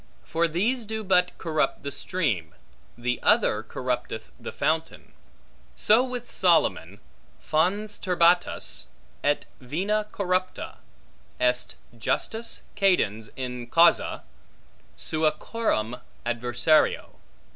For these do but corrupt the stream, the other corrupteth the fountain. So with Solomon, Fons turbatus, et vena corrupta, est justus cadens in causa sua coram adversario.